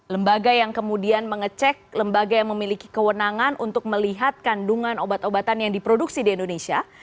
lembaga yang kemudian mengecek lembaga yang memiliki kewenangan untuk melihat kandungan obat obatan yang diproduksi di indonesia